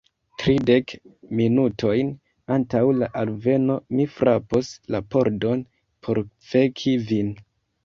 Tridek minutojn antaŭ la alveno mi frapos la pordon por veki vin.